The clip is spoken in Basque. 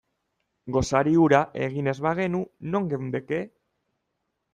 Gosari hura egin ez bagenu, non geundeke?